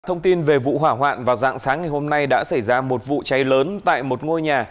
thông tin về vụ hỏa hoạn vào dạng sáng ngày hôm nay đã xảy ra một vụ cháy lớn tại một ngôi nhà